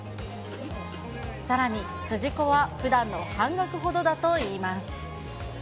さらに、筋子はふだんの半額ほどだといいます。